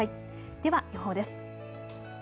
では予報です。